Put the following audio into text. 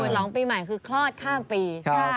หลังปีใหม่คือคลอดข้ามปี